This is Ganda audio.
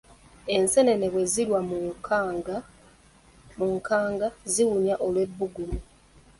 Enseenene bwe zirwa mu nkanga ziwunya olw’ebbugumu.